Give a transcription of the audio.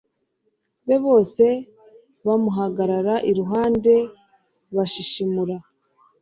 be bose bamuhagarara iruhande bashishimura